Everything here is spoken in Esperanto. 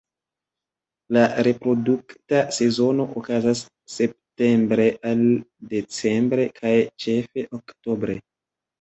La reprodukta sezono okazas septembre al decembre, kaj ĉefe oktobre.